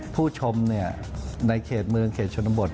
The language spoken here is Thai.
ผู้ชมในเขตเมืองเขตชนบท